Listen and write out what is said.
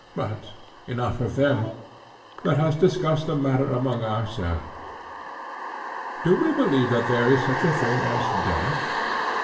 But enough of them:—let us discuss the matter among ourselves: Do we believe that there is such a thing as death?